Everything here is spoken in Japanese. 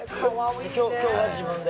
今日は自分で？